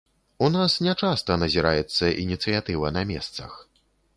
У нас нячаста назіраецца ініцыятыва на месцах.